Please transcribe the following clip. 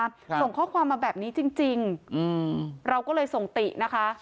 ส่งข้อความมาแบบนี้จริงจริงอืมเราก็เลยส่งตินะคะ